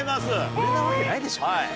俺なわけないでしょ。